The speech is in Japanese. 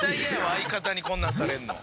相方にこんなんされるの。